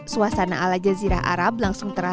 suasana ala jazirah arab langsung terasa